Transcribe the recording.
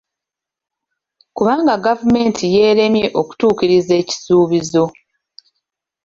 Kubanga gavumenti yeeremye okutuukiriza ekisuubizo.